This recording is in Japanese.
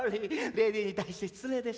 レディーに対して失礼でした。